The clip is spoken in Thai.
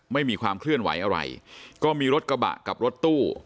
ไม่มีความเคลื่อนไหวอะไรก็มีรถกระบะกับรถตู้